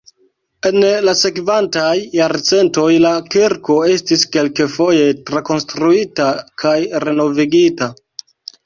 En la sekvantaj jarcentoj la kirko estis kelkfoje trakonstruita kaj renovigita.